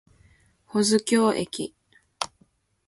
保津峡駅